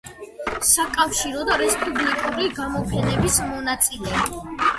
საკავშირო და რესპუბლიკური გამოფენების მონაწილე.